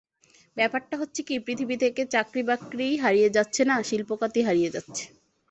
ব্যাপারটা হচ্ছে কী, পৃথিবী থেকে চাকরিবাকরিই হারিয়ে যাচ্ছে না, শিল্প খাতই হারিয়ে যাচ্ছে।